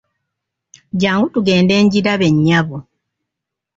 Jjangu tugende ngirabe nnyabo.